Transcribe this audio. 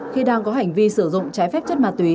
khi đang có hành vi sử dụng trái phép chất ma túy